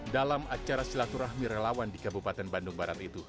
dalam acara silaturahmi relawan di kabupaten bandung barat itu